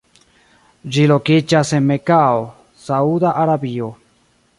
Ĝi lokiĝas en Mekao, Sauda Arabio.